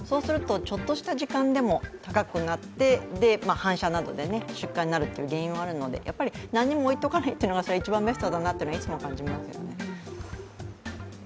ちょっとした時間でも高くなって反射などで出火になるという原因はあるので、何も置いておかないのがベストだなといつも感じます。